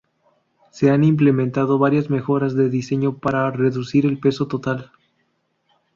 Se han implementado varias mejoras de diseño para reducir el peso total.